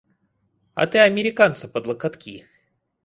А ты американца под локотки!